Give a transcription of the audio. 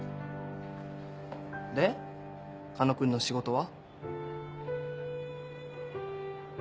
で狩野君の仕事は？